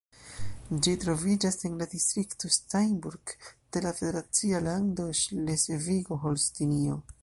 Ĝi troviĝas en la distrikto Steinburg de la federacia lando Ŝlesvigo-Holstinio.